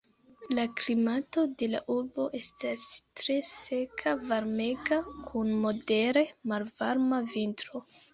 La klimato de la urbo estas tre seka, varmega, kun modere malvarma vintro.